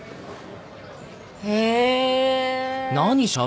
へえ！